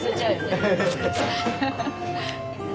ハハハハ。